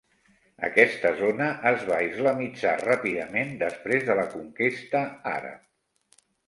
Aquesta zona es va islamitzar ràpidament després de la conquesta àrab.